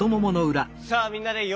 さあみんなでよ